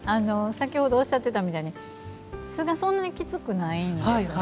先ほどおっしゃってたみたいに酢がそんなにきつくないんですね。